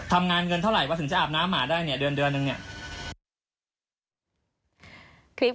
ทำงานเงินเท่าไหร่ว่าถึงจะอาบน้ำหมาได้เนี่ยเดือนนึงเนี่ย